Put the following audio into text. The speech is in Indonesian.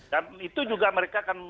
dan itu juga mereka akan